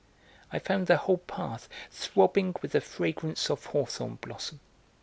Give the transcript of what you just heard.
I found the whole path throbbing with the fragrance of hawthorn blossom.